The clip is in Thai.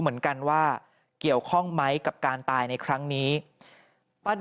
หลังจากพบศพผู้หญิงปริศนาตายตรงนี้ครับ